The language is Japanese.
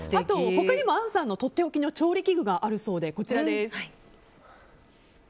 他にも杏さんのとっておきの調理器具があるそうです。